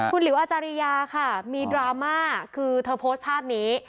คุณหลิวอาจารยาค่ะมีดราม่าคือเธอโพสต์ภาพนี้